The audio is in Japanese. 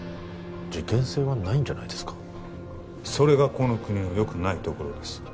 事件性はないんじゃないですかそれがこの国のよくないところです